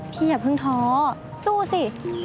อย่าเพิ่งท้อสู้สิ